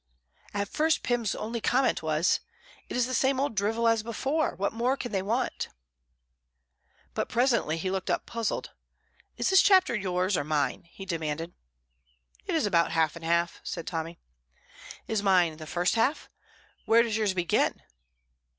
At first Pym's only comment was, "It is the same old drivel as before; what more can they want?" But presently he looked up, puzzled. "Is this chapter yours or mine?" he demanded. "It is about half and half," said Tommy. "Is mine the first half? Where does yours begin?"